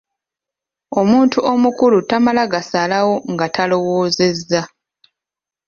Omuntu omukulu tamala gasalawo nga talowoozezza.